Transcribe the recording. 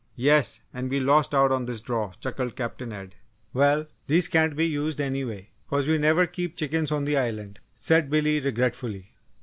"Yes, and we lost out on this draw!" chuckled Captain Ed. "Well, these can't be used anyway, 'cause we never keep chickens on the Island," said Billy, regretfully.